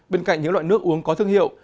bên cạnh những loại nước uống có thương hiệu